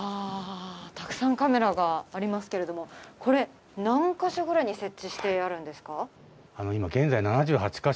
たくさんカメラがありますけれども、これ、何か所ぐらいに設置してあるんですか。